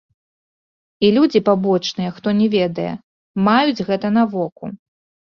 І людзі пабочныя, хто не ведае, маюць гэта на воку.